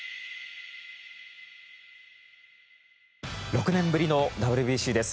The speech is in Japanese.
６年ぶりのＷＢＣです。